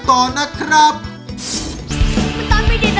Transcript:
ตอนแรกเราก็ดีใจเนอะ